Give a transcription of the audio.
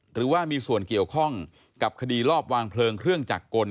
หรือว่ามีส่วนเกี่ยวข้องกับคดีลอบวางเพลิงเครื่องจักรกล